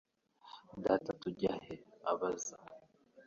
Data tujya he?" abaza.